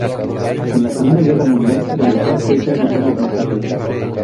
Con la segunda guerra mundial regresó a Suecia dos años más tarde.